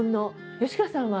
吉川さんは？